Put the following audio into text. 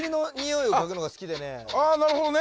あぁなるほどね。